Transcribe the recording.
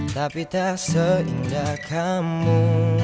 tapi tak seindah kamu